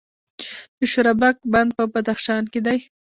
د شورابک بند په بدخشان کې دی